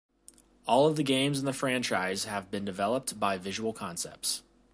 All of the games in the franchise have been developed by Visual Concepts.